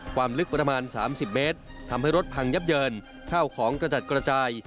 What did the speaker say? ความลึกประมาณ๓๐เมตรทำให้รถพังยับเยินข้าวของกระจัดกระจาย